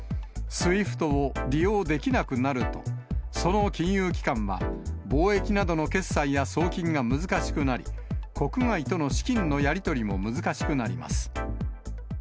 ＳＷＩＦＴを利用できなくなると、その金融機関は、貿易などの決済や送金が難しくなり、国外との資金のやり取りも難しくなります。